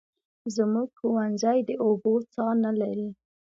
زموږ ښوونځی د اوبو څاه نلري